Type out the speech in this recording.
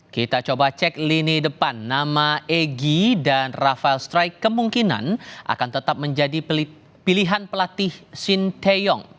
kita coba cek lini depan nama egy dan rafael strike kemungkinan akan tetap menjadi pilihan pelatih shin taeyong